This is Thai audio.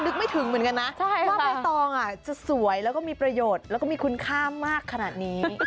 นึกไม่ถึงเหมือนกันนะว่าใบตองจะสวยแล้วก็มีประโยชน์แล้วก็มีคุณค่ามากขนาดนี้